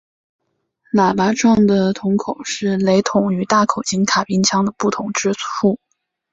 喇叭状的铳口是雷筒与大口径卡宾枪的不同之处。